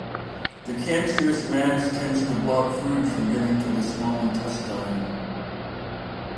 The cancerous mass tends to block food from getting to the small intestine.